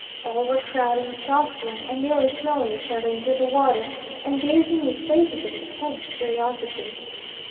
All were crowding, jostling, and nearly throwing each other into the water, and gazing with faces of intense curiosity.